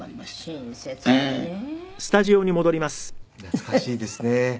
懐かしいですね。